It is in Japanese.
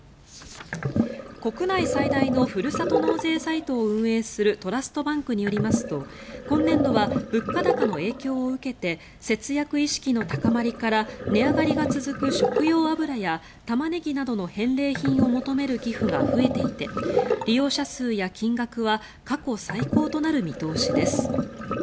国内最大のふるさと納税サイトを運営するトラストバンクによりますと今年度は物価高の影響を受けて節約意識の高まりから値上がりが続く食用油やタマネギなどの返礼品を求める寄付が増えていて利用者数や金額は過去最高となる見通しです。